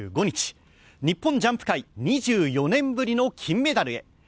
日本ジャンプ界２４年ぶりの金メダルへ。